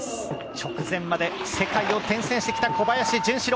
直前まで世界を転戦してきた小林潤志郎。